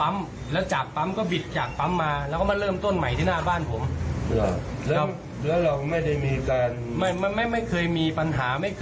อะไรกันมาก่อนครับมันมันเมื่อคืนนี้ไม่รู้เป็นอะไรผม